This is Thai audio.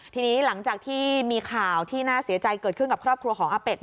ทีนี้หลังจากที่มีข่าวที่น่าเสียใจเกิดขึ้นกับครอบครัวของอาเป็ด